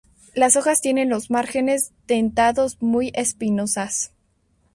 Las hojas tienen los márgenes dentados muy espinosas.